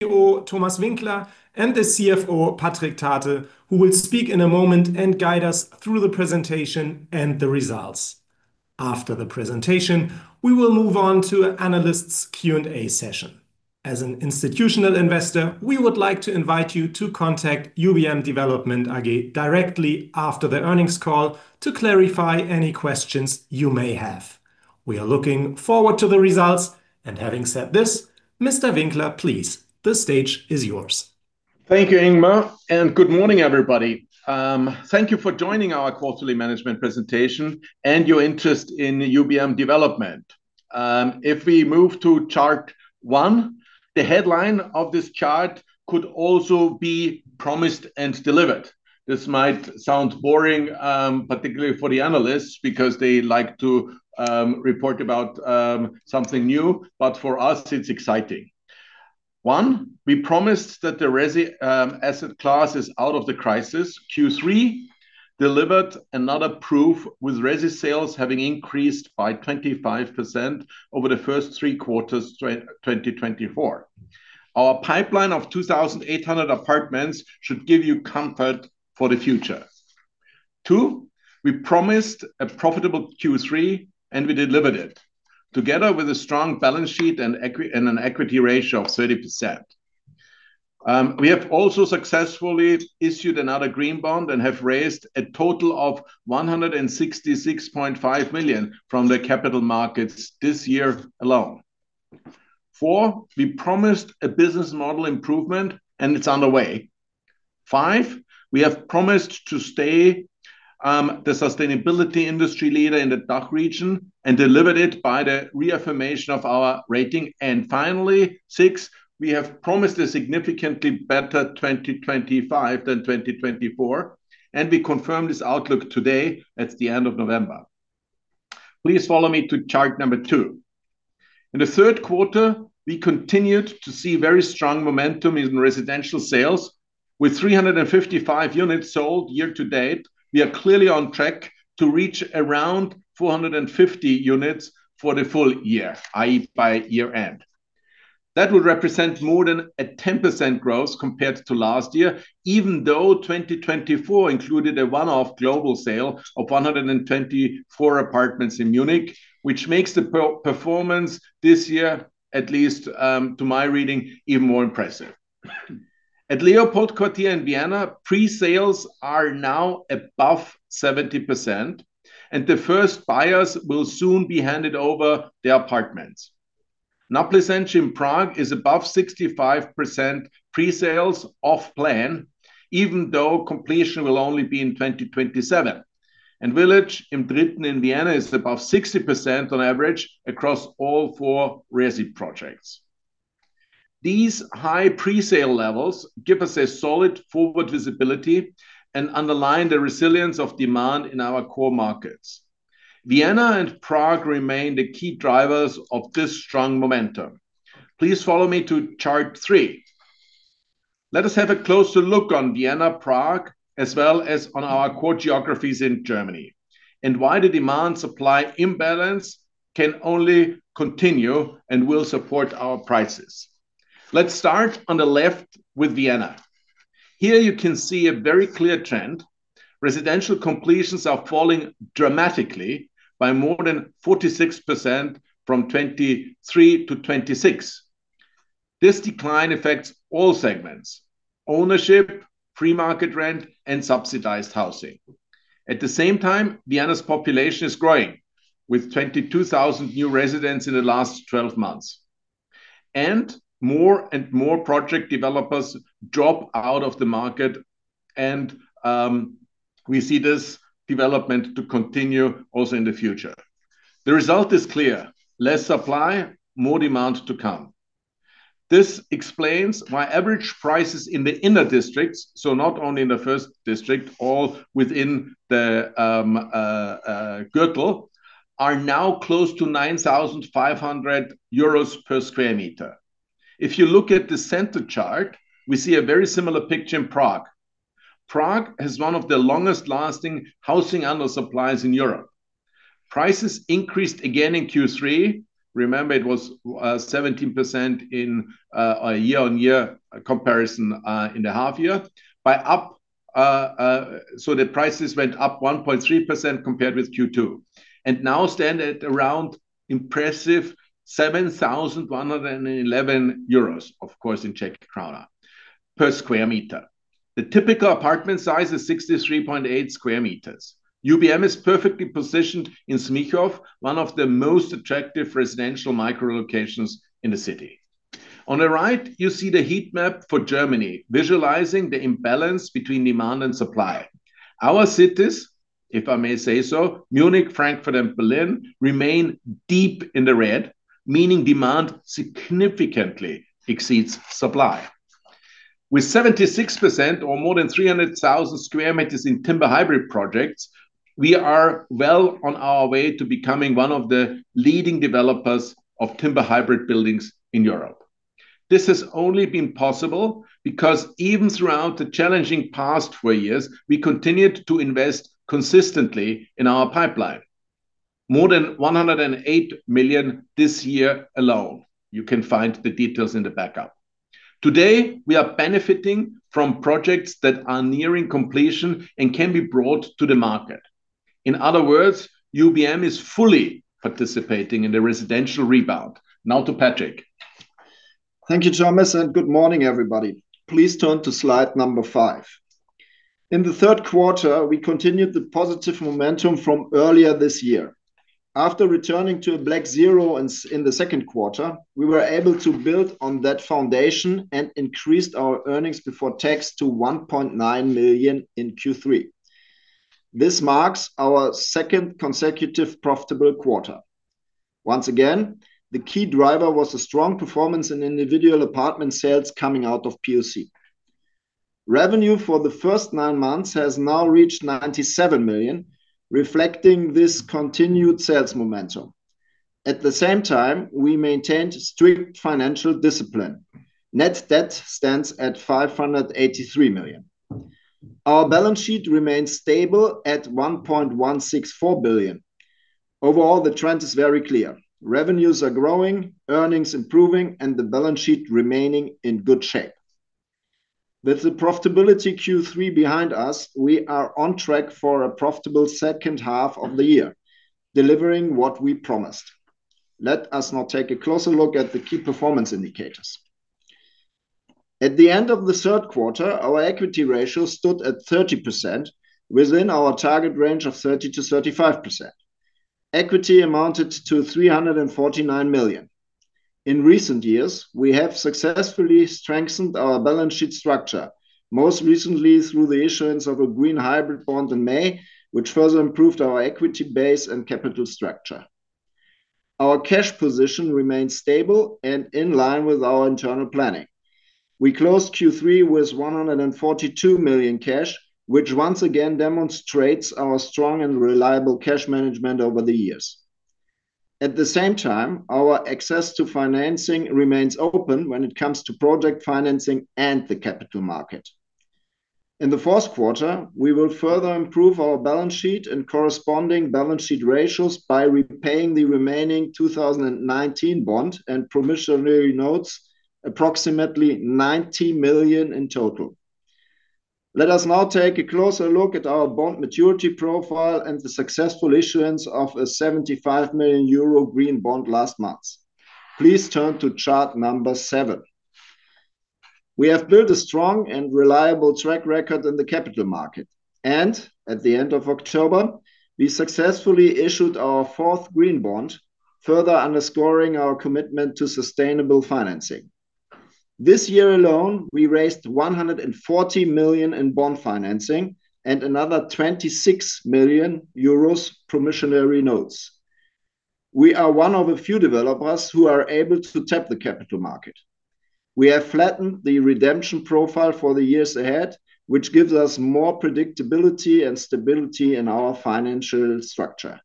CEO Thomas Winkler and the CFO Patric Thate, who will speak in a moment and guide us through the presentation and the results. After the presentation, we will move on to analysts' Q&A session. As an institutional investor, we would like to invite you to contact UBM Development AG directly after the earnings call to clarify any questions you may have. We are looking forward to the results. Having said this, Mr. Winkler, please, the stage is yours. Thank you, Ingmar, and good morning, everybody. Thank you for joining our quarterly management presentation and your interest in UBM Development. If we move to chart one, the headline of this chart could also be promised and delivered. This might sound boring, particularly for the analysts, because they like to report about something new, but for us, it's exciting. One, we promised that the resi asset class is out of the crisis. Q3 delivered another proof, with resi sales having increased by 25% over the first three quarters of 2024. Our pipeline of 2,800 apartments should give you comfort for the future. Two, we promised a profitable Q3, and we delivered it, together with a strong balance sheet and an equity ratio of 30%. We have also successfully issued another green bond and have raised a total of 166.5 million from the capital markets this year alone. Four, we promised a business model improvement, and it's underway. Five, we have promised to stay the sustainability industry leader in the DACH region and delivered it by the reaffirmation of our rating. Finally, six, we have promised a significantly better 2025 than 2024, and we confirmed this outlook today at the end of November. Please follow me to chart number two. In the third quarter, we continued to see very strong momentum in residential sales. With 355 units sold year to date, we are clearly on track to reach around 450 units for the full year, i.e., by year-end. That would represent more than a 10% growth compared to last year, even though 2024 included a one-off global sale of 124 apartments in Munich, which makes the performance this year, at least to my reading, even more impressive. At LeopoldQuartier in Vienna, pre-sales are now above 70%, and the first buyers will soon be handed over their apartments. Nábřeží in Prague is above 65% pre-sales off-plan, even though completion will only be in 2027. Village im Dritten in Vienna is above 60% on average across all four resi projects. These high pre-sale levels give us a solid forward visibility and underline the resilience of demand in our core markets. Vienna and Prague remain the key drivers of this strong momentum. Please follow me to chart three. Let us have a closer look on Vienna, Prague, as well as on our core geographies in Germany, and why the demand-supply imbalance can only continue and will support our prices. Let's start on the left with Vienna. Here you can see a very clear trend. Residential completions are falling dramatically by more than 46% from 2023 to 2026. This decline affects all segments: ownership, pre-market rent, and subsidized housing. At the same time, Vienna's population is growing with 22,000 new residents in the last 12 months. More and more project developers drop out of the market, and we see this development to continue also in the future. The result is clear: less supply, more demand to come. This explains why average prices in the inner districts, so not only in the first district, all within the Gürtel, are now close to 9,500 euros per sq m. If you look at the center chart, we see a very similar picture in Prague. Prague has one of the longest-lasting housing under-supplies in Europe. Prices increased again in Q3. Remember, it was 17% in a year-on-year comparison in the half-year, so the prices went up 1.3% compared with Q2, and now stand at around impressive 7,111 euros, of course, in Czech koruna, per sq m. The typical apartment size is 63.8 sq m. UBM is perfectly positioned in Smíchov, one of the most attractive residential micro-locations in the city. On the right, you see the heat map for Germany, visualizing the imbalance between demand and supply. Our cities, if I may say so, Munich, Frankfurt, and Berlin, remain deep in the red, meaning demand significantly exceeds supply. With 76% or more than 300,000 sq m in timber hybrid projects, we are well on our way to becoming one of the leading developers of timber hybrid buildings in Europe. This has only been possible because even throughout the challenging past four years, we continued to invest consistently in our pipeline, more than 108 million this year alone. You can find the details in the backup. Today, we are benefiting from projects that are nearing completion and can be brought to the market. In other words, UBM is fully participating in the residential rebound. Now to Patric. Thank you, Thomas, and good morning, everybody. Please turn to slide number five. In the third quarter, we continued the positive momentum from earlier this year. After returning to a black zero in the second quarter, we were able to build on that foundation and increased our earnings before tax to 1.9 million in Q3. This marks our second consecutive profitable quarter. Once again, the key driver was a strong performance in individual apartment sales coming out of POC. Revenue for the first nine months has now reached 97 million, reflecting this continued sales momentum. At the same time, we maintained strict financial discipline. Net debt stands at 583 million. Our balance sheet remains stable at 1.164 billion. Overall, the trend is very clear. Revenues are growing, earnings improving, and the balance sheet remaining in good shape. With the profitability Q3 behind us, we are on track for a profitable second half of the year, delivering what we promised. Let us now take a closer look at the key performance indicators. At the end of the third quarter, our equity ratio stood at 30%, within our target range of 30%-35%. Equity amounted to 349 million. In recent years, we have successfully strengthened our balance sheet structure, most recently through the issuance of a green hybrid bond in May, which further improved our equity base and capital structure. Our cash position remains stable and in line with our internal planning. We closed Q3 with 142 million cash, which once again demonstrates our strong and reliable cash management over the years. At the same time, our access to financing remains open when it comes to project financing and the capital market. In the fourth quarter, we will further improve our balance sheet and corresponding balance sheet ratios by repaying the remaining 2019 bond and promissory notes, approximately 90 million in total. Let us now take a closer look at our bond maturity profile and the successful issuance of a 75 million euro green bond last month. Please turn to chart number seven. We have built a strong and reliable track record in the capital market, and at the end of October, we successfully issued our fourth green bond, further underscoring our commitment to sustainable financing. This year alone, we raised 140 million in bond financing and another 26 million euros promissory notes. We are one of a few developers who are able to tap the capital market. We have flattened the redemption profile for the years ahead, which gives us more predictability and stability in our financial structure.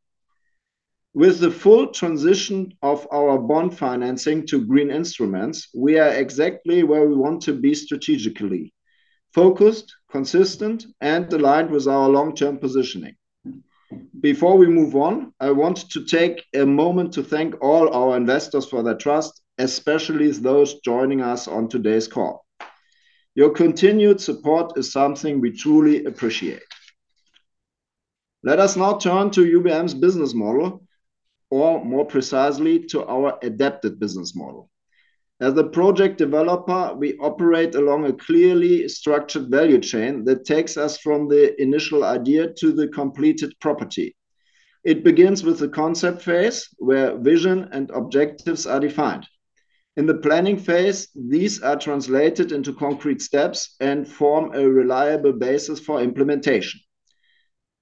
With the full transition of our bond financing to green instruments, we are exactly where we want to be strategically: focused, consistent, and aligned with our long-term positioning. Before we move on, I want to take a moment to thank all our investors for their trust, especially those joining us on today's call. Your continued support is something we truly appreciate. Let us now turn to UBM's business model, or more precisely, to our adapted business model. As a project developer, we operate along a clearly structured value chain that takes us from the initial idea to the completed property. It begins with the concept phase, where vision and objectives are defined. In the planning phase, these are translated into concrete steps and form a reliable basis for implementation.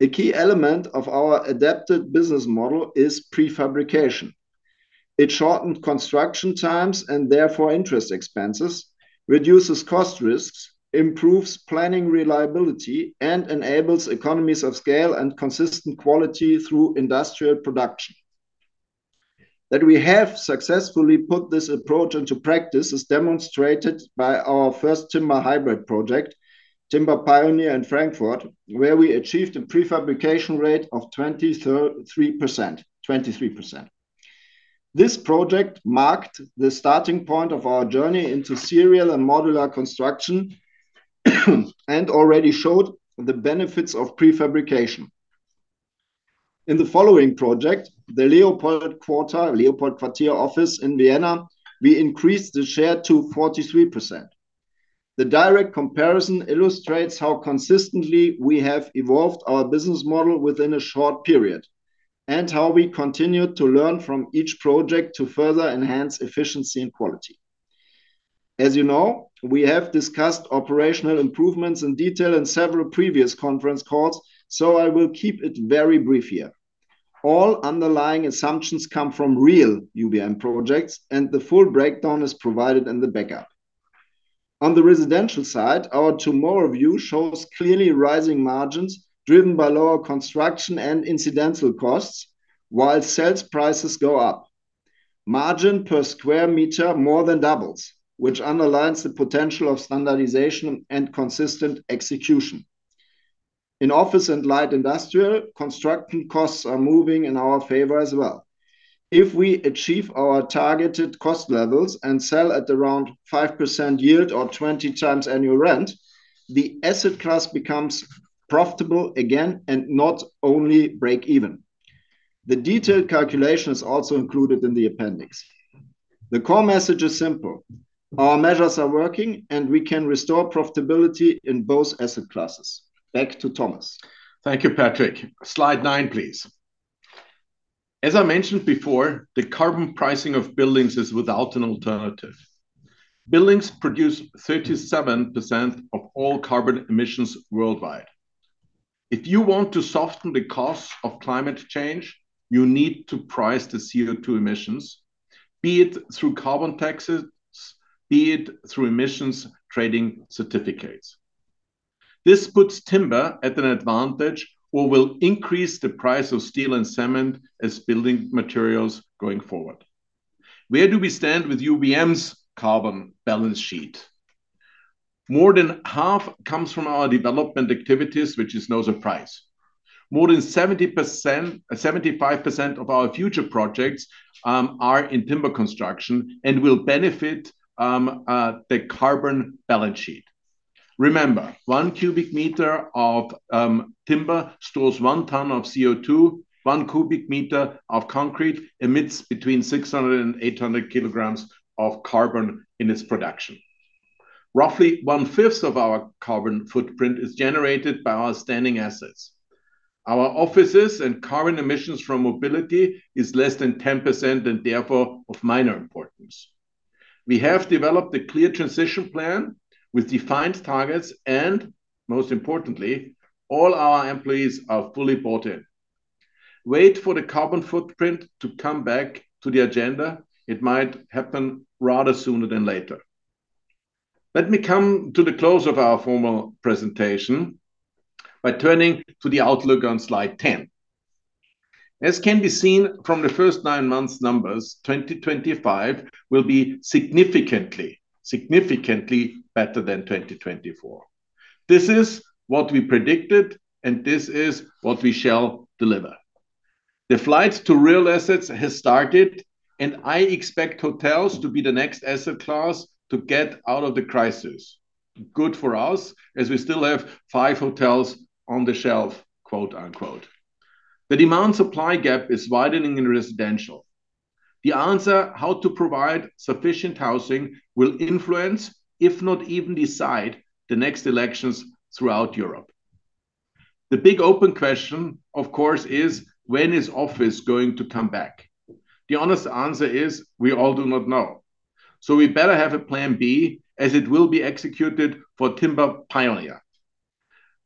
A key element of our adapted business model is prefabrication. It shortens construction times and therefore interest expenses, reduces cost risks, improves planning reliability, and enables economies of scale and consistent quality through industrial production. That we have successfully put this approach into practice is demonstrated by our first timber hybrid project, Timber Pioneer in Frankfurt, where we achieved a prefabrication rate of 23%. This project marked the starting point of our journey into serial and modular construction and already showed the benefits of prefabrication. In the following project, the LeopoldQuartier office in Vienna, we increased the share to 43%. The direct comparison illustrates how consistently we have evolved our business model within a short period and how we continue to learn from each project to further enhance efficiency and quality. As you know, we have discussed operational improvements in detail in several previous conference calls, so I will keep it very brief here. All underlying assumptions come from real UBM projects, and the full breakdown is provided in the backup. On the residential side, our tomorrow view shows clearly rising margins driven by lower construction and incidental costs while sales prices go up. Margin per square meter more than doubles, which underlines the potential of standardization and consistent execution. In office and light industrial, construction costs are moving in our favor as well. If we achieve our targeted cost levels and sell at around 5% yield or 20x annual rent, the asset class becomes profitable again and not only break even. The detailed calculation is also included in the appendix. The core message is simple: our measures are working, and we can restore profitability in both asset classes. Back to Thomas. Thank you, Patric. Slide nine, please. As I mentioned before, the carbon pricing of buildings is without an alternative. Buildings produce 37% of all carbon emissions worldwide. If you want to soften the costs of climate change, you need to price the CO2 emissions, be it through carbon taxes, be it through emissions trading certificates. This puts timber at an advantage or will increase the price of steel and cement as building materials going forward. Where do we stand with UBM's carbon balance sheet? More than half comes from our development activities, which is no surprise. More than 75% of our future projects are in timber construction and will benefit the carbon balance sheet. Remember, one cu m of timber stores one ton of CO2. One cu m of concrete emits between 600 kg-800 kg of carbon in its production. Roughly 1/5 of our carbon footprint is generated by our standing assets. Our offices and carbon emissions from mobility are less than 10% and therefore of minor importance. We have developed a clear transition plan with defined targets and, most importantly, all our employees are fully bought in. Wait for the carbon footprint to come back to the agenda. It might happen rather sooner than later. Let me come to the close of our formal presentation by turning to the outlook on slide 10. As can be seen from the first nine months' numbers, 2025 will be significantly, significantly better than 2024. This is what we predicted, and this is what we shall deliver. The flight to real assets has started, and I expect hotels to be the next asset class to get out of the crisis. Good for us, as we still have five hotels on the shelf, quote unquote. The demand-supply gap is widening in residential. The answer to how to provide sufficient housing will influence, if not even decide, the next elections throughout Europe. The big open question, of course, is: when is office going to come back? The honest answer is: we all do not know. So we better have a plan B, as it will be executed for Timber Pioneer.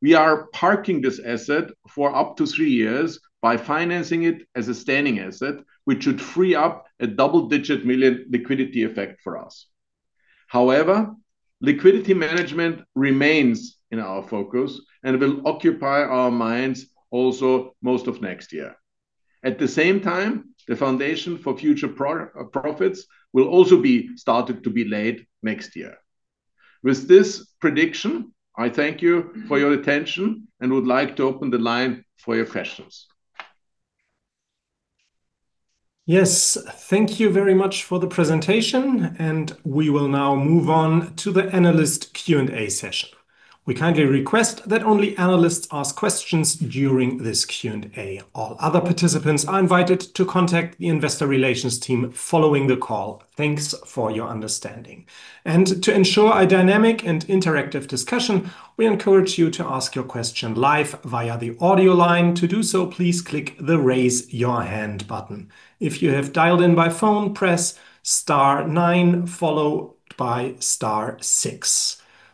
We are parking this asset for up to three years by financing it as a standing asset, which should free up a double-digit million liquidity effect for us. However, liquidity management remains in our focus and will occupy our minds also most of next year. At the same time, the foundation for future profits will also be started to be laid next year. With this prediction, I thank you for your attention and would like to open the line for your questions. Yes, thank you very much for the presentation, and we will now move on to the analyst Q&A session. We kindly request that only analysts ask questions during this Q&A. All other participants are invited to contact the investor relations team following the call. Thanks for your understanding. To ensure a dynamic and interactive discussion, we encourage you to ask your question live via the audio line. To do so, please click the Raise Your Hand button. If you have dialed in by phone, press star nine followed by star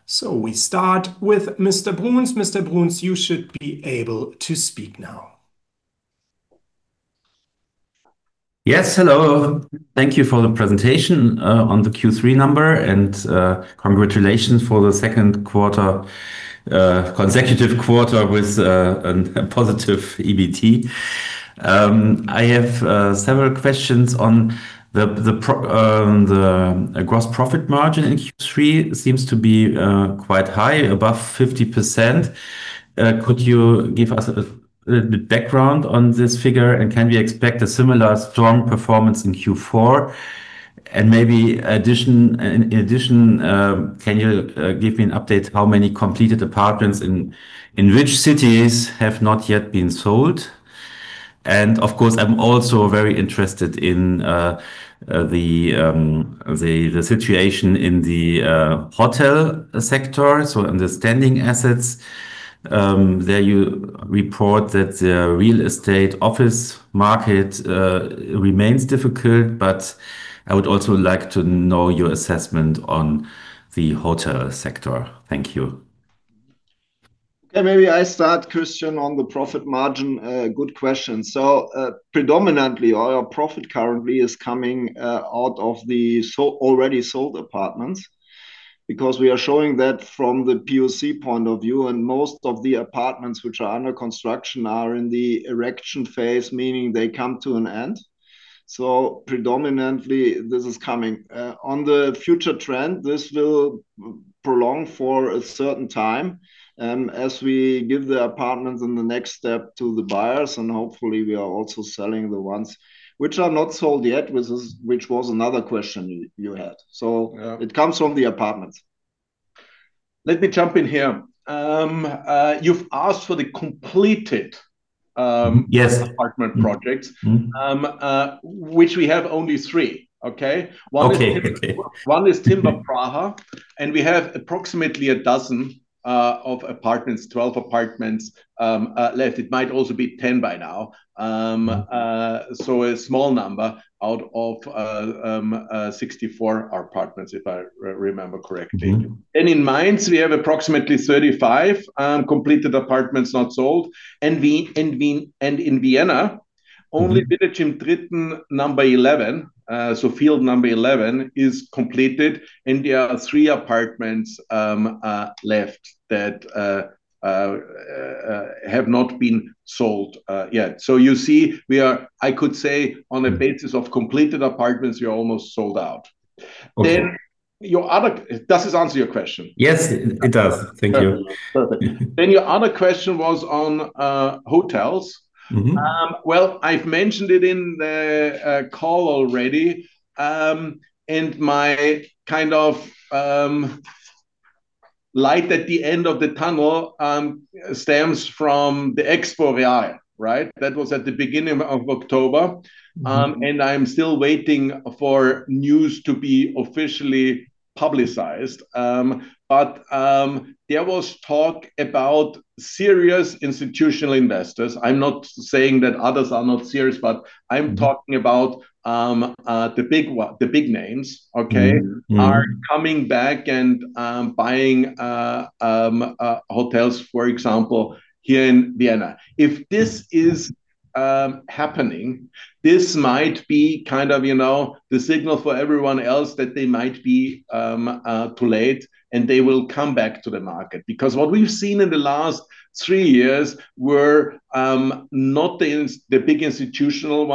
six. We start with Mr. Bruhns. Mr. Bruhns, you should be able to speak now. Yes, hello. Thank you for the presentation on the Q3 number, and congratulations for the second consecutive quarter with a positive EBT. I have several questions on the gross profit margin in Q3. It seems to be quite high, above 50%. Could you give us a little bit of background on this figure, and can we expect a similar strong performance in Q4? Maybe in addition, can you give me an update on how many completed apartments in which cities have not yet been sold? Of course, I'm also very interested in the situation in the hotel sector. On the standing assets, there you report that the real estate office market remains difficult, but I would also like to know your assessment on the hotel sector. Thank you. Okay, maybe I start, Christian, on the profit margin. Good question. Predominantly, our profit currently is coming out of the already sold apartments because we are showing that from the POC point of view, and most of the apartments which are under construction are in the erection phase, meaning they come to an end. Predominantly, this is coming. On the future trend, this will prolong for a certain time as we give the apartments in the next step to the buyers, and hopefully, we are also selling the ones which are not sold yet, which was another question you had. It comes from the apartments. Let me jump in here. You've asked for the completed apartment projects, which we have only three, okay? One is Timber Praha, and we have approximately a dozen of apartments, 12 apartments left. It might also be 10 by now. A small number out of 64 apartments, if I remember correctly. In Mainz, we have approximately 35 completed apartments not sold. In Vienna, only Village im Dritten, number 11, so field number 11, is completed, and there are three apartments left that have not been sold yet. You see, I could say on the basis of completed apartments, you're almost sold out. Does this answer your question? Yes, it does. Thank you. Your other question was on hotels. I have mentioned it in the call already, and my kind of light at the end of the tunnel stems from the EXPO REAL, right? That was at the beginning of October, and I am still waiting for news to be officially publicized. There was talk about serious institutional investors. I am not saying that others are not serious, but I am talking about the big names, okay, are coming back and buying hotels, for example, here in Vienna. If this is happening, this might be kind of the signal for everyone else that they might be too late, and they will come back to the market because what we've seen in the last three years were not the big institutional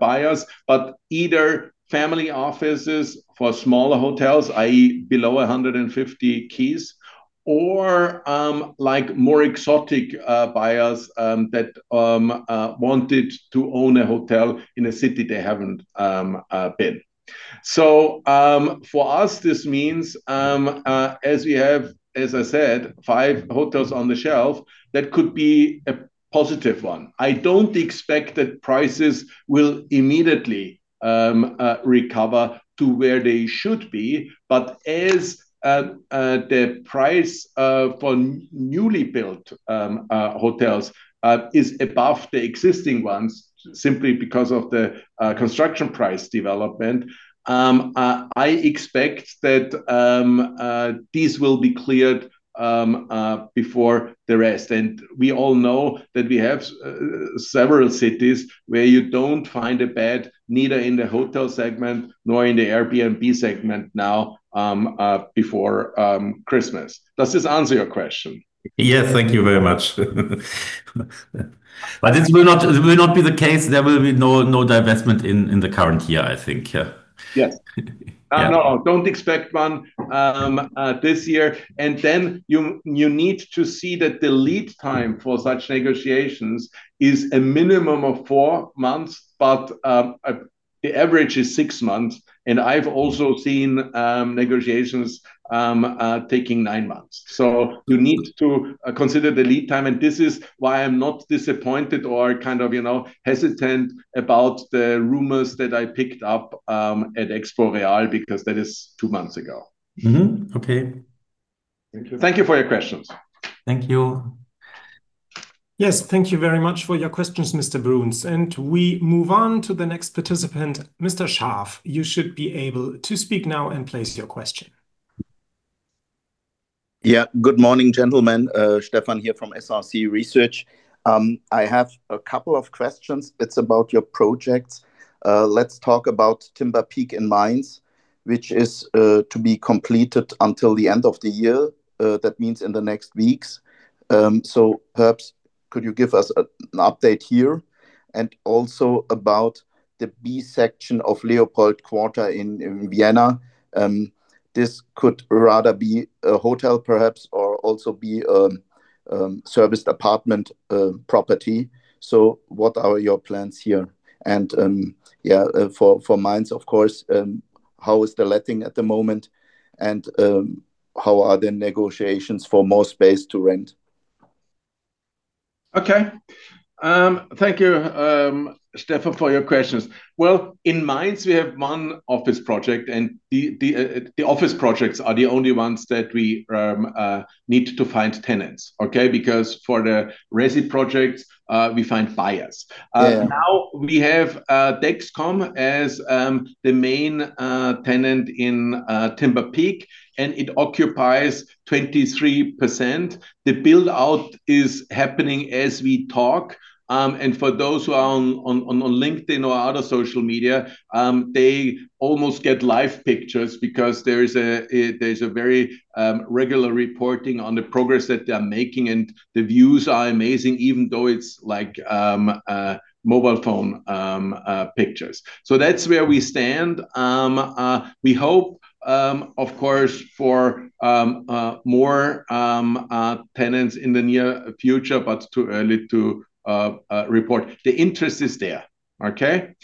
buyers, but either family offices for smaller hotels, i.e., below 150 keys, or more exotic buyers that wanted to own a hotel in a city they haven't been. For us, this means, as we have, as I said, five hotels on the shelf, that could be a positive one. I don't expect that prices will immediately recover to where they should be, but as the price for newly built hotels is above the existing ones simply because of the construction price development, I expect that these will be cleared before the rest. We all know that we have several cities where you do not find a bed, neither in the hotel segment nor in the Airbnb segment now before Christmas. Does this answer your question? Yes, thank you very much. It will not be the case. There will be no divestment in the current year, I think. Yes. No, do not expect one this year. You need to see that the lead time for such negotiations is a minimum of four months, but the average is six months. I have also seen negotiations taking nine months. You need to consider the lead time. This is why I am not disappointed or kind of hesitant about the rumors that I picked up at EXPO REAL because that is two months ago. Okay. Thank you for your questions. Thank you. Yes, thank you very much for your questions, Mr. Bruhns. We move on to the next participant, Mr. Scharff. You should be able to speak now and place your question. Yeah, good morning, gentlemen. Stefan here from SRC Research. I have a couple of questions. It's about your projects. Let's talk about Timber Peak in Mainz, which is to be completed until the end of the year. That means in the next weeks. Perhaps could you give us an update here? Also about the B section of LeopoldQuartier in Vienna. This could rather be a hotel, perhaps, or also be a serviced apartment property. What are your plans here? For Mainz, of course, how is the letting at the moment? How are the negotiations for more space to rent? Okay. Thank you, Stefan, for your questions. In Mainz, we have one office project, and the office projects are the only ones that we need to find tenants, okay, because for the resi projects, we find buyers. Now we have Dexcom as the main tenant in Timber Peak, and it occupies 23%. The build-out is happening as we talk. For those who are on LinkedIn or other social media, they almost get live pictures because there is a very regular reporting on the progress that they're making, and the views are amazing, even though it's like mobile phone pictures. That's where we stand. We hope, of course, for more tenants in the near future, but too early to report. The interest is there, okay?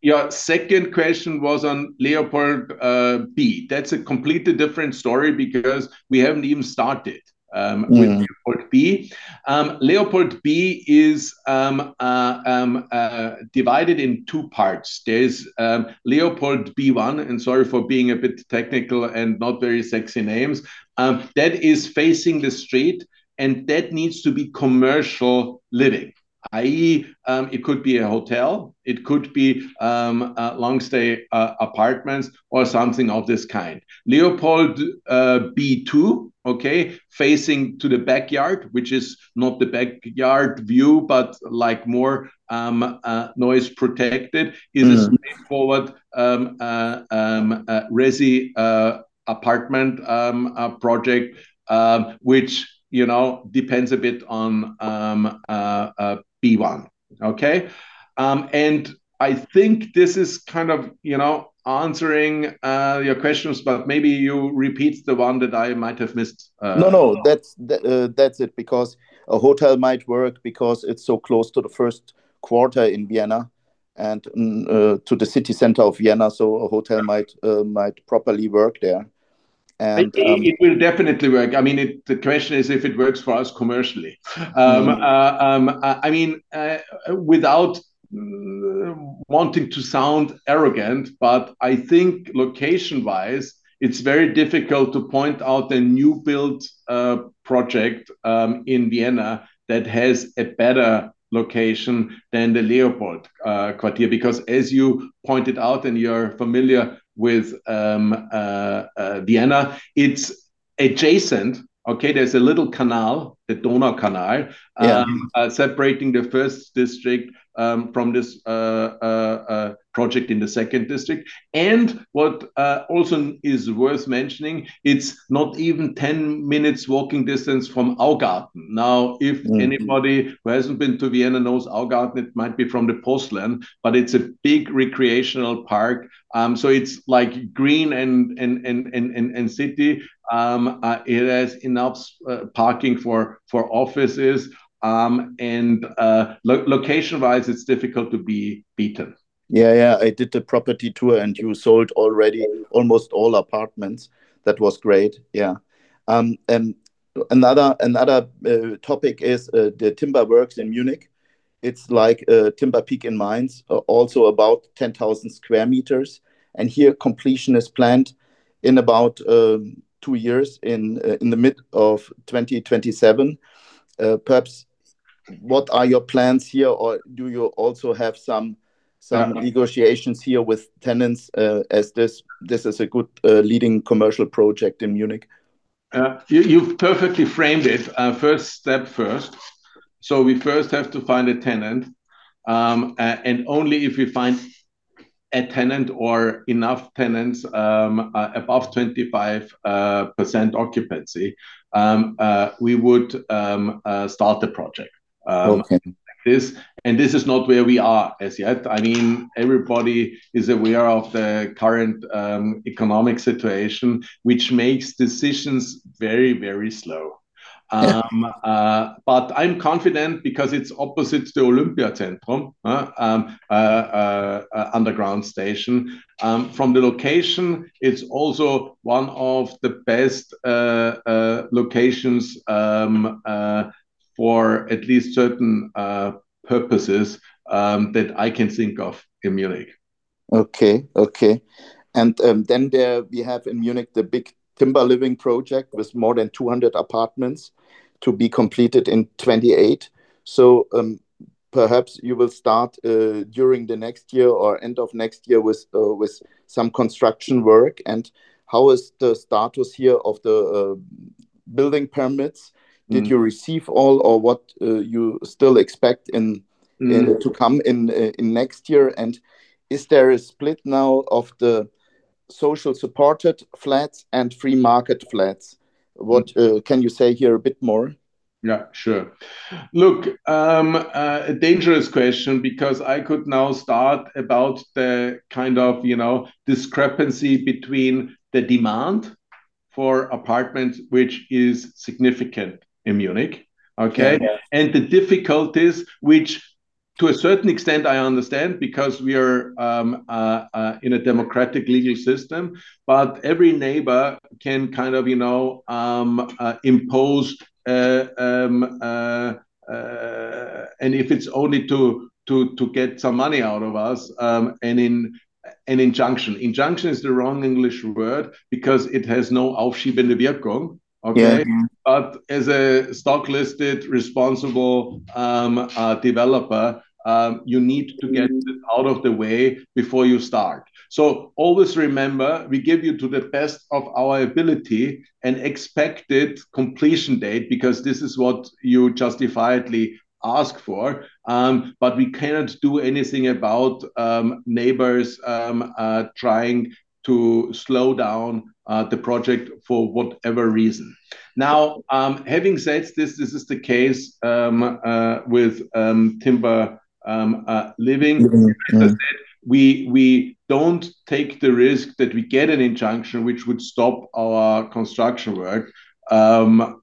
Your second question was on Leopold B. That's a completely different story because we haven't even started with Leopold B. Leopold B is divided in two parts. There's Leopold B1, and sorry for being a bit technical and not very sexy names. That is facing the street, and that needs to be commercial living, i.e., it could be a hotel, it could be long-stay apartments, or something of this kind. Leopold B2, okay, facing to the backyard, which is not the backyard view, but more noise protected, is a straightforward resi apartment project, which depends a bit on B1, okay? I think this is kind of answering your questions, but maybe you repeat the one that I might have missed. No, no, that's it because a hotel might work because it's so close to the first quarter in Vienna and to the city center of Vienna, so a hotel might properly work there. It will definitely work. I mean, the question is if it works for us commercially. I mean, without wanting to sound arrogant, but I think location-wise, it's very difficult to point out a new-build project in Vienna that has a better location than the LeopoldQuartier because, as you pointed out and you're familiar with Vienna, it's adjacent, okay? There's a little canal, the Donaukanal, separating the first district from this project in the second district. What also is worth mentioning, it's not even 10 minutes' walking distance from Augarten. Now, if anybody who hasn't been to Vienna knows Augarten, it might be from the Postland, but it's a big recreational park. It's like green and city. It has enough parking for offices. Location-wise, it's difficult to be beaten. Yeah, yeah. I did the property tour, and you sold already almost all apartments. That was great. Another topic is the Timber Works in Munich. It's like Timber Peak in Mainz, also about 10,000 sq m. Here, completion is planned in about two years in the mid of 2027. Perhaps what are your plans here, or do you also have some negotiations here with tenants as this is a good leading commercial project in Munich? You've perfectly framed it. First step first. We first have to find a tenant. Only if we find a tenant or enough tenants above 25% occupancy, we would start the project. This is not where we are as yet. I mean, everybody is aware of the current economic situation, which makes decisions very, very slow. I'm confident because it's opposite to Olympiazentrum, underground station. From the location, it's also one of the best locations for at least certain purposes that I can think of in Munich. Okay, okay. In Munich, the big Timber Living project has more than 200 apartments to be completed in 2028. Perhaps you will start during next year or end of next year with some construction work. How is the status here of the building permits? Did you receive all, or what do you still expect to come in next year? Is there a split now of the social supported flats and free market flats? What can you say here a bit more? Yeah, sure. Look, a dangerous question because I could now start about the kind of discrepancy between the demand for apartments, which is significant in Munich, okay? And the difficulties, which to a certain extent I understand because we are in a democratic legal system, but every neighbor can kind of impose and if it's only to get some money out of us and injunction. Injunction is the wrong English word because it has no Aufschiebende Wirkung, okay? As a stock-listed responsible developer, you need to get it out of the way before you start. Always remember, we give you to the best of our ability an expected completion date because this is what you justifiedly ask for, but we cannot do anything about neighbors trying to slow down the project for whatever reason. Now, having said this, this is the case with Timber Living. As I said, we do not take the risk that we get an injunction, which would stop our construction work. We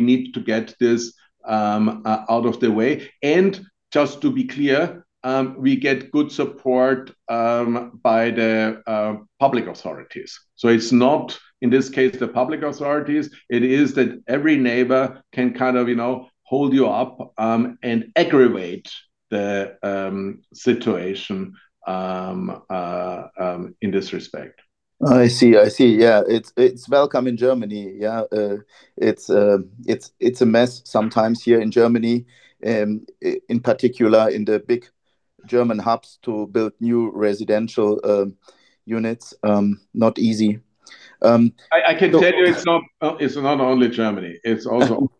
need to get this out of the way. Just to be clear, we get good support by the public authorities. It is not in this case the public authorities. It is that every neighbor can kind of hold you up and aggravate the situation in this respect. I see, I see. Yeah, it's welcome in Germany. Yeah. It's a mess sometimes here in Germany, in particular in the big German hubs to build new residential units. Not easy. I can tell you it's not only Germany. It's also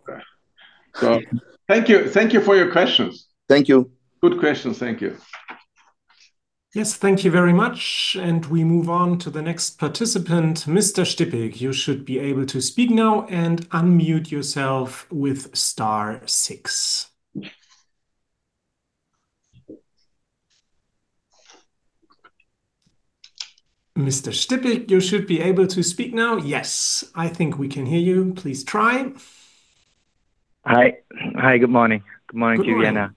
Austria. Thank you for your questions. Thank you. Good questions. Thank you. Yes, thank you very much. We move on to the next participant, Mr. Stippig. You should be able to speak now and unmute yourself with star six. Mr. Stippig, you should be able to speak now. Yes, I think we can hear you. Please try. Hi. Good morning. Good morning to you, Vienna.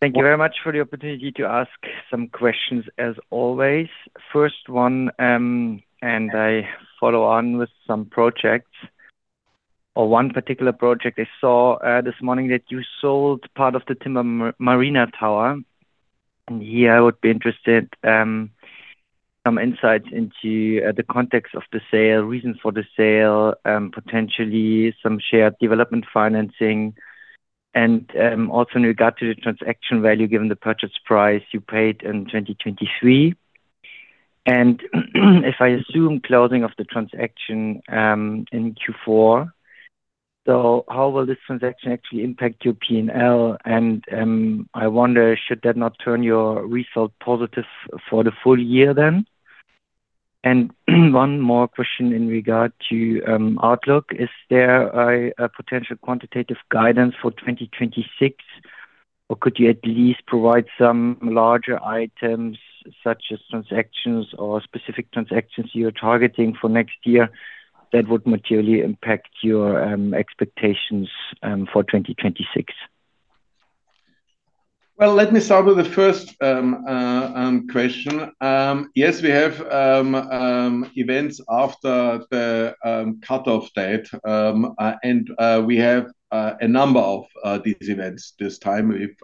Thank you very much for the opportunity to ask some questions as always. First one, and I follow on with some projects. One particular project I saw this morning that you sold part of the Timber Marina Tower. I would be interested in some insights into the context of the sale, reasons for the sale, potentially some shared development financing, and also in regard to the transaction value given the purchase price you paid in 2023. If I assume closing of the transaction in Q4, how will this transaction actually impact your P&L? I wonder, should that not turn your result positive for the full year then? One more question in regard to Outlook. Is there a potential quantitative guidance for 2026, or could you at least provide some larger items such as transactions or specific transactions you're targeting for next year that would materially impact your expectations for 2026? Let me start with the first question. Yes, we have events after the cut-off date. We have a number of these events. This time, we've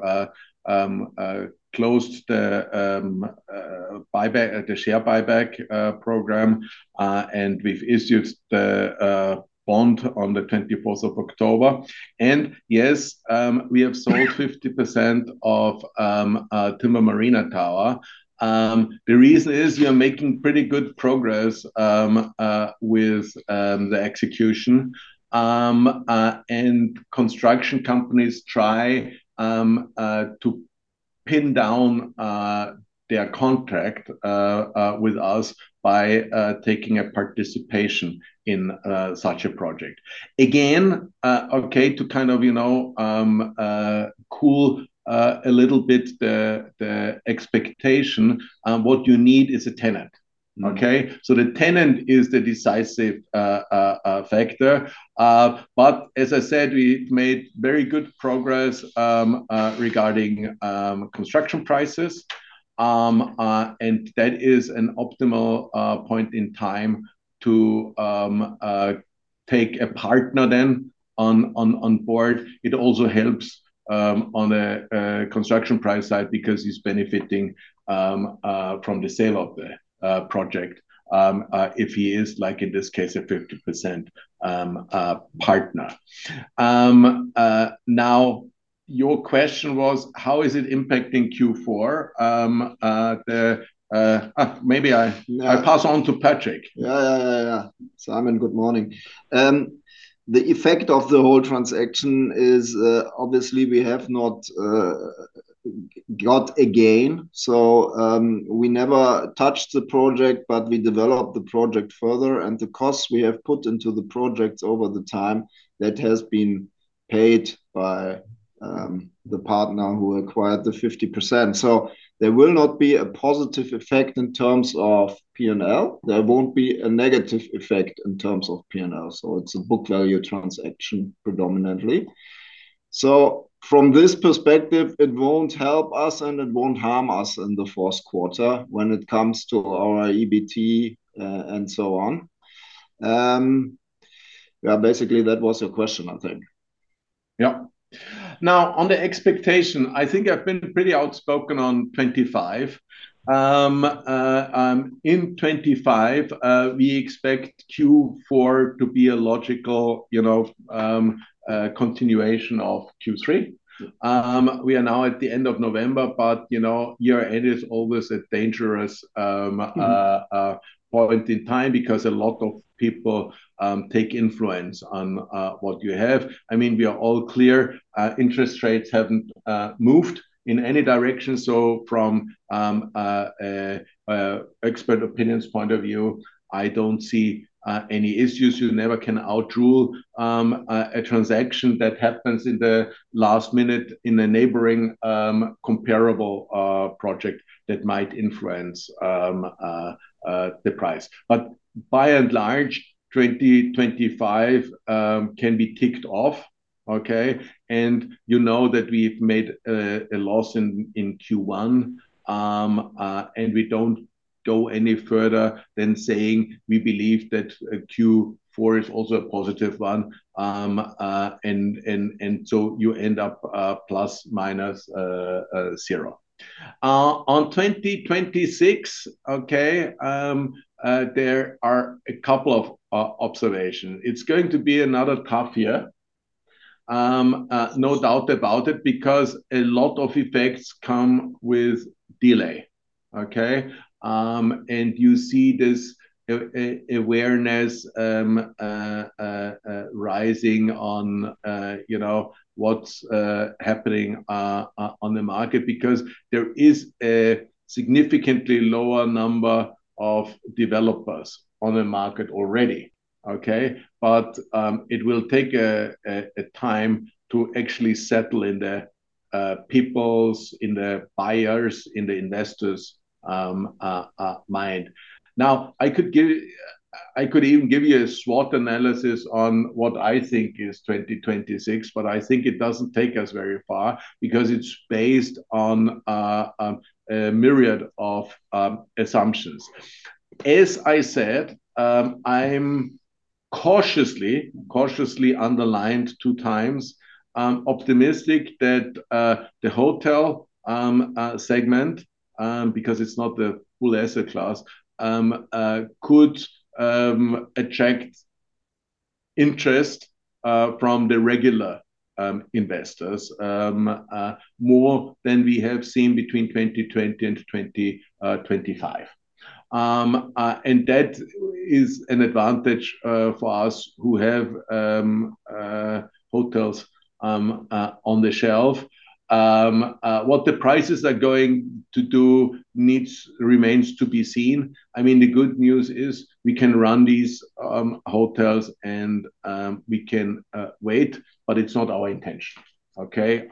closed the share buyback program, and we've issued the bond on the 24th of October. Yes, we have sold 50% of Timber Marina Tower. The reason is we are making pretty good progress with the execution. Construction companies try to pin down their contract with us by taking a participation in such a project. Again, to kind of cool a little bit the expectation, what you need is a tenant, okay? The tenant is the decisive factor. As I said, we've made very good progress regarding construction prices. That is an optimal point in time to take a partner then on board. It also helps on the construction price side because he's benefiting from the sale of the project if he is, like in this case, a 50% partner. Now, your question was, how is it impacting Q4? Maybe I pass on to Patric. Yeah, yeah, yeah. Simon, good morning. The effect of the whole transaction is obviously we have not got a gain. We never touched the project, but we developed the project further. The costs we have put into the project over the time, that has been paid by the partner who acquired the 50%. There will not be a positive effect in terms of P&L. There will not be a negative effect in terms of P&L. It is a book value transaction predominantly. From this perspective, it will not help us, and it will not harm us in the fourth quarter when it comes to our EBT and so on. Basically, that was your question, I think. Yeah. Now, on the expectation, I think I've been pretty outspoken on 2025. In 2025, we expect Q4 to be a logical continuation of Q3. We are now at the end of November, but year-end is always a dangerous point in time because a lot of people take influence on what you have. I mean, we are all clear. Interest rates haven't moved in any direction. So from expert opinion's point of view, I don't see any issues. You never can outrule a transaction that happens in the last minute in a neighboring comparable project that might influence the price. By and large, 2025 can be ticked off, okay? You know that we've made a loss in Q1, and we don't go any further than saying we believe that Q4 is also a positive one. You end up ±0. On 2026, okay, there are a couple of observations. It's going to be another tough year. No doubt about it because a lot of effects come with delay, okay? You see this awareness rising on what's happening on the market because there is a significantly lower number of developers on the market already, okay? It will take a time to actually settle in the people's, in the buyers, in the investors' mind. Now, I could even give you a SWOT analysis on what I think is 2026, but I think it doesn't take us very far because it's based on a myriad of assumptions. As I said, I'm cautiously, cautiously underlined 2x, optimistic that the hotel segment, because it's not the full asset class, could attract interest from the regular investors more than we have seen between 2020 and 2025. That is an advantage for us who have hotels on the shelf. What the prices are going to do remains to be seen. I mean, the good news is we can run these hotels, and we can wait, but it's not our intention, okay?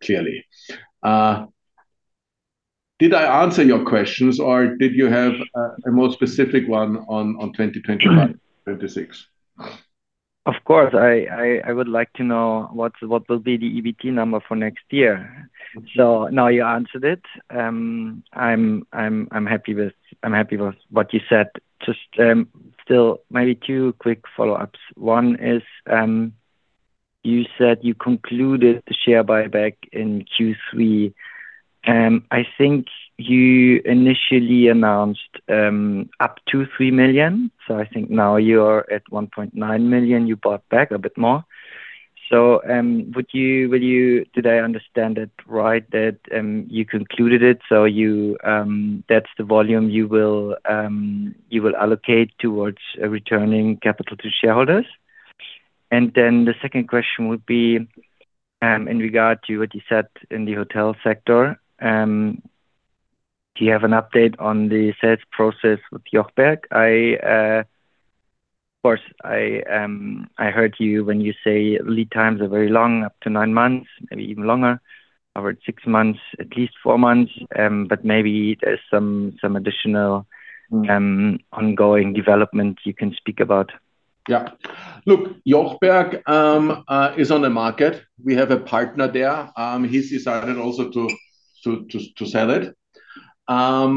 Clearly. Did I answer your questions, or did you have a more specific one on 2025, 2026? Of course. I would like to know what will be the EBT number for next year. Now you answered it. I'm happy with what you said. Just still maybe two quick follow-ups. One is you said you concluded the share buyback in Q3. I think you initially announced up to 3 million. I think now you're at 1.9 million. You bought back a bit more. Did I understand it right that you concluded it? That's the volume you will allocate towards returning capital to shareholders? The second question would be in regard to what you said in the hotel sector. Do you have an update on the sales process with Jochberg? Of course, I heard you when you say lead times are very long, up to nine months, maybe even longer. I heard six months, at least four months, but maybe there's some additional ongoing development you can speak about. Yeah. Look, Jochberg is on the market. We have a partner there. He's decided also to sell it. We have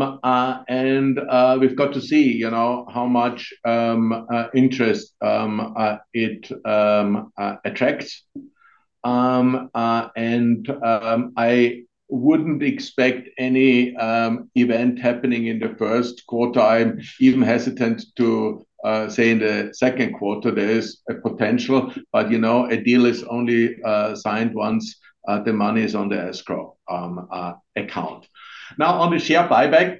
to see how much interest it attracts. I would not expect any event happening in the first quarter. I'm even hesitant to say in the second quarter there is a potential, but a deal is only signed once the money is on the escrow account. Now, on the share buyback,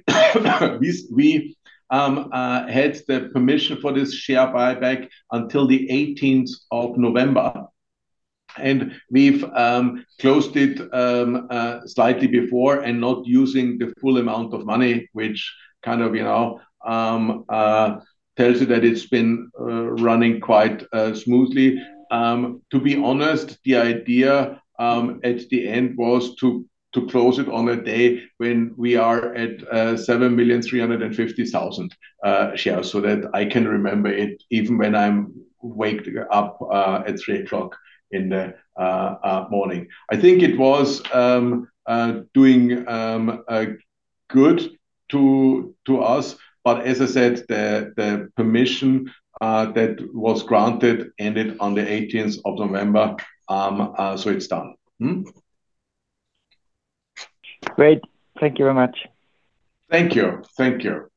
we had the permission for this share buyback until the 18th of November. We closed it slightly before and did not use the full amount of money, which kind of tells you that it has been running quite smoothly. To be honest, the idea at the end was to close it on a day when we are at 7,350,000 shares so that I can remember it even when I'm waking up at 3:00 A.M. I think it was doing good to us. As I said, the permission that was granted ended on the 18th of November, so it's done. Great. Thank you very much. Thank you. Thank you.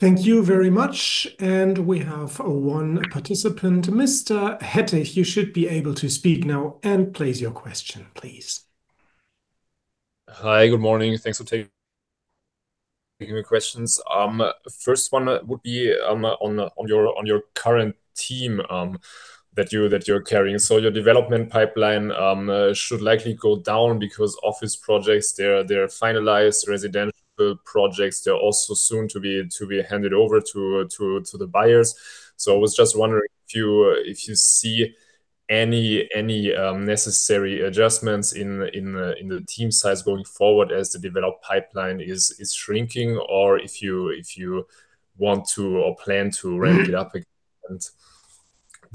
Thank you very much. We have one participant. Mr. Hedeh, you should be able to speak now. Please, your question. Hi, good morning. Thanks for taking my questions. First one would be on your current team that you're carrying. Your development pipeline should likely go down because office projects, they're finalized, residential projects, they're also soon to be handed over to the buyers. I was just wondering if you see any necessary adjustments in the team size going forward as the developed pipeline is shrinking, or if you want to or plan to ramp it up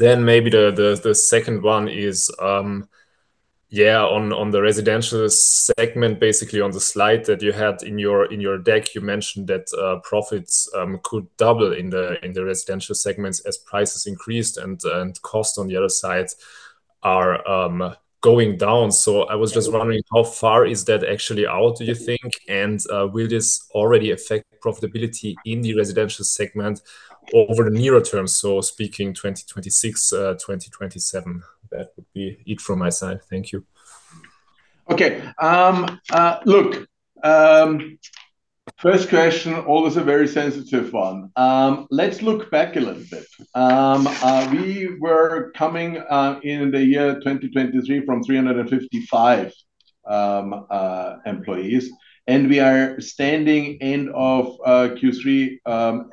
again. Maybe the second one is, on the residential segment, basically on the slide that you had in your deck, you mentioned that profits could double in the residential segments as prices increased and costs on the other side are going down. I was just wondering how far is that actually out, do you think? Will this already affect profitability in the residential segment over the nearer term? Speaking 2026, 2027, that would be it from my side. Thank you. Okay. Look, first question, always a very sensitive one. Let's look back a little bit. We were coming in the year 2023 from 355 employees, and we are standing end of Q3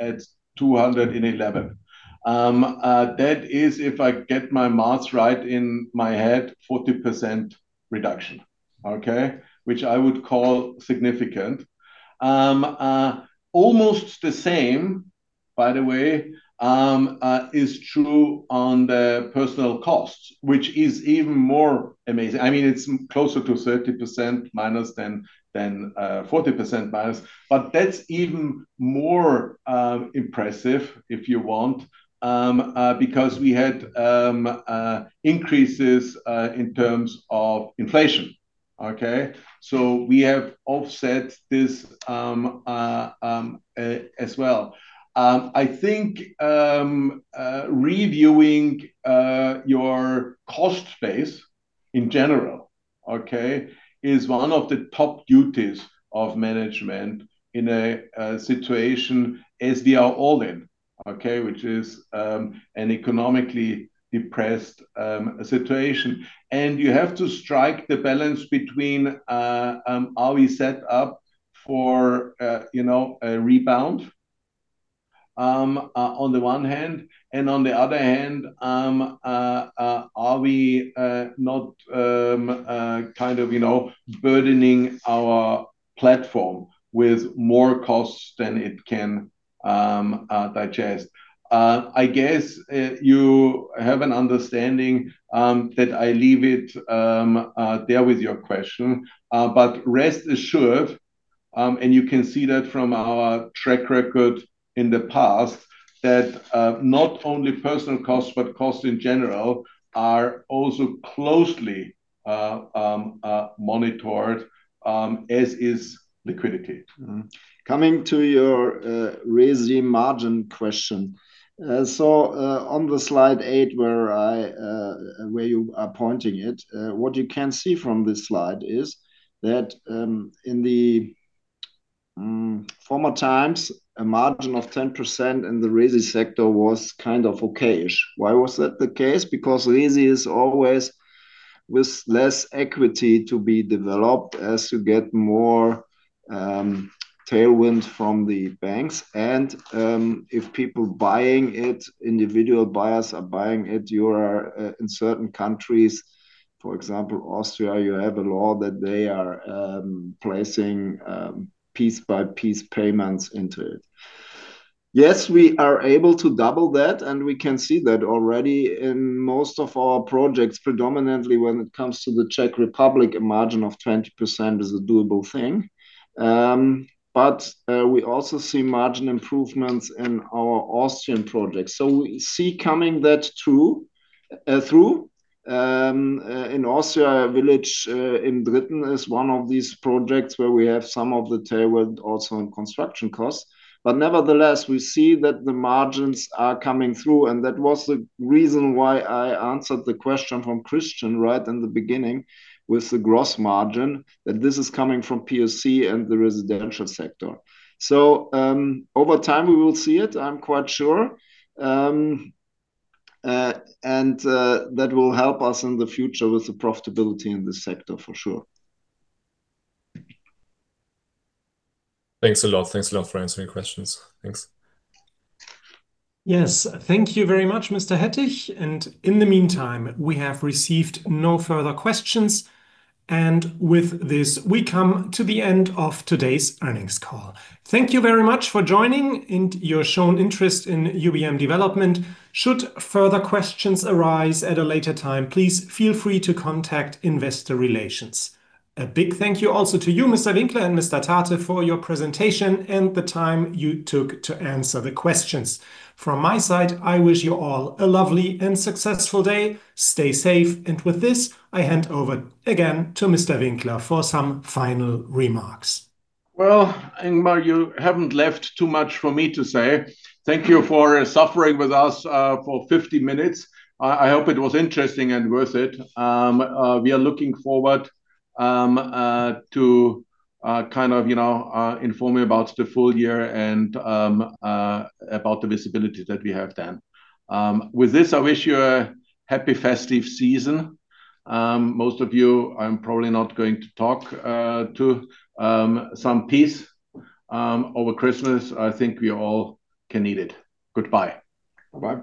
at 211. That is, if I get my maths right in my head, 40% reduction, okay? Which I would call significant. Almost the same, by the way, is true on the personal costs, which is even more amazing. I mean, it's closer to 30%- than 40%-, but that's even more impressive, if you want, because we had increases in terms of inflation, okay? So we have offset this as well. I think reviewing your cost base in general, okay, is one of the top duties of management in a situation as we are all in, okay? Which is an economically depressed situation. You have to strike the balance between are we set up for a rebound on the one hand, and on the other hand, are we not kind of burdening our platform with more costs than it can digest? I guess you have an understanding that I leave it there with your question, but rest assured, and you can see that from our track record in the past, that not only personal costs, but costs in general are also closely monitored, as is liquidity. Coming to your resi margin question. On slide eight where you are pointing it, what you can see from this slide is that in the former times, a margin of 10% in the resi sector was kind of okay-ish. Why was that the case? Because resi is always with less equity to be developed as you get more tailwind from the banks. If people are buying it, individual buyers are buying it, you are in certain countries, for example, Austria, you have a law that they are placing piece-by-piece payments into it. Yes, we are able to double that, and we can see that already in most of our projects, predominantly when it comes to the Czech Republic, a margin of 20% is a doable thing. We also see margin improvements in our Austrian projects. We see coming that through. In Austria, Village im Dritten is one of these projects where we have some of the tailwind also in construction costs. Nevertheless, we see that the margins are coming through. That was the reason why I answered the question from Christian right in the beginning with the gross margin, that this is coming from POC and the residential sector. Over time, we will see it, I'm quite sure. That will help us in the future with the profitability in this sector for sure. Thanks a lot. Thanks a lot for answering questions. Thanks. Yes. Thank you very much, Mr. Hedeh. In the meantime, we have received no further questions. With this, we come to the end of today's earnings call. Thank you very much for joining and your shown interest in UBM Development. Should further questions arise at a later time, please feel free to contact Investor Relations. A big thank you also to you, Mr. Winkler and Mr. Thate, for your presentation and the time you took to answer the questions. From my side, I wish you all a lovely and successful day. Stay safe. With this, I hand over again to Mr. Winkler for some final remarks. Ingmar, you haven't left too much for me to say. Thank you for suffering with us for 50 minutes. I hope it was interesting and worth it. We are looking forward to kind of inform you about the full year and about the visibility that we have then. With this, I wish you a happy festive season. Most of you, I'm probably not going to talk to some peace over Christmas. I think we all can need it. Goodbye. Bye.